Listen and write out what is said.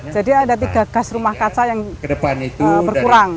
jadi ada tiga gas rumah kaca yang berkurang